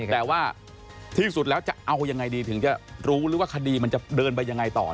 แต่ว่าที่สุดแล้วจะเอายังไงดีถึงจะรู้หรือว่าคดีมันจะเดินไปยังไงต่อ